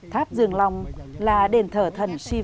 tháp dương long là đền thở thần siêng